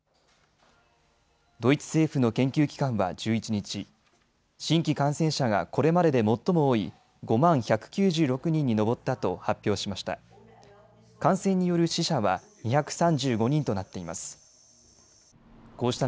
ドイツ政府の研究機関は１１日、新規感染者がこれまでで最も多い５万１９６人に上ったと発表しました。